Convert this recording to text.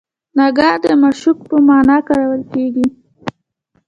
نګار د معشوق په معنی کارول کیږي.